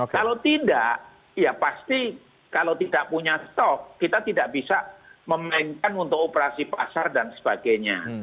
kalau tidak ya pasti kalau tidak punya stok kita tidak bisa memainkan untuk operasi pasar dan sebagainya